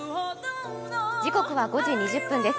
時刻は５時２０分です。